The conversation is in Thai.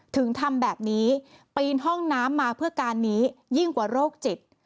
ถึงทำแบบนี้ปีนห้องน้ำมาเพื่อการนี้ยิ่งกว่าโรคจิต